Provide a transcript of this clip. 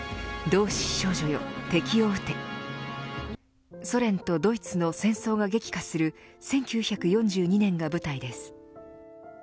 同志少女よ、敵を撃てソ連とドイツの戦争が激化する１９４２年が舞台です。